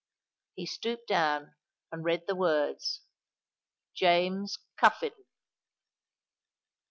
He stooped down, and read the words—"JAMES CUFFIN."